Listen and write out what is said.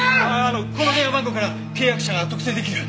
あのこの電話番号から契約者が特定出来る。